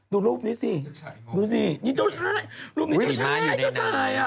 ดูรูปนี้สิรูปนี้เจ้าชายเจ้าชาย